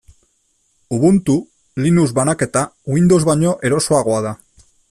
Ubuntu, Linux banaketa, Windows baino erosoagoa da.